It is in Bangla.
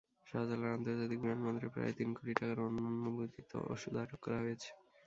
শাহজালাল আন্তর্জাতিক বিমানবন্দরে প্রায় তিন কোটি টাকার অননুমোদিত ওষুধ আটক করা হয়েছে।